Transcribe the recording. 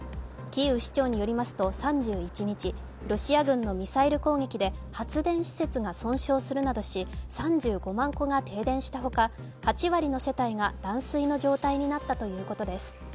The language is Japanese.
キーウ市長によりますと３１日、ロシア軍のミサイル攻撃で発電施設が損傷するなどし３５万戸が停電したほか、８割の世帯が断水の状態になったということです。